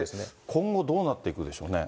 今後、どうなっていくでしょうね。